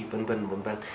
vân vân vân vân